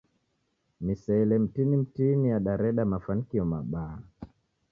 Misele mitini mitini yadareda mafanikio mabaa.